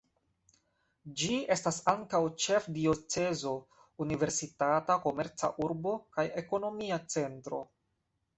Ĝi estas ankaŭ ĉefdiocezo, universitata, komerca urbo kaj ekonomia centro.